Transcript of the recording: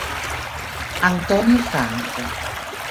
Antonio Franco